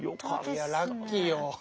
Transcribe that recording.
いやラッキーよ。